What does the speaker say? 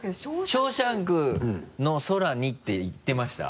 「ショーシャンクの空に」って言ってました？